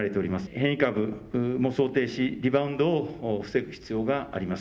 変異株も想定しリバウンドを防ぐ必要があります。